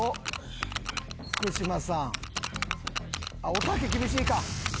おたけ厳しいか。